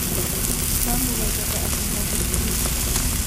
bamubazaga akanga gusubiza.